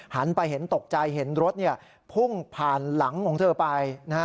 หันไปเห็นตกใจเห็นรถพุ่งผ่านหลังของเธอไป